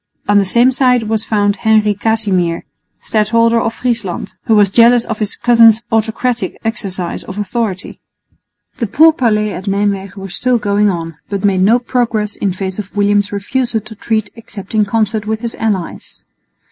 On the same side was found Henry Casimir, Stadholder of Friesland, who was jealous of his cousin's autocratic exercise of authority. The pourparlers at Nijmwegen were still going on, but made no progress in face of William's refusal to treat except in concert with his allies.